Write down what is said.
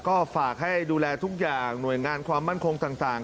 ก็ฝากให้ดูแลทุกอย่างหน่วยงานความมั่นคงต่าง